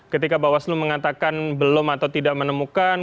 ketika bawaslu mengatakan belum atau tidak menemukan